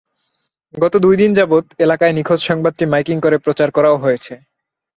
গত দুই দিন যাবৎ এলাকায় নিখোঁজ সংবাদটি মাইকিং করে প্রচার করাও হয়েছে।